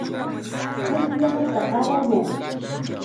Pukllanata qarayan.